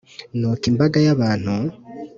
Nuko imbaga y abantu